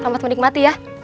selamat menikmati ya